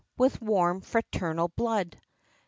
with warm fraternal blood. XXII.